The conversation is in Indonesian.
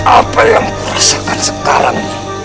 apa yang aku rasakan sekarang